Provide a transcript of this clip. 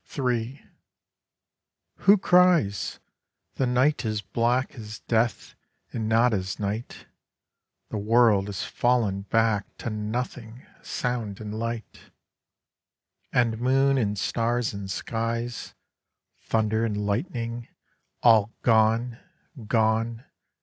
III Who cries! The night is black As death and not as night; The world is fallen back To nothing; sound and light And moon and stars and skies, Thunder and lightning—all Gone, gone!